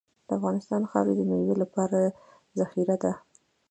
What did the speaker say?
د افغانستان خاوره د میوو لپاره زرخیزه ده.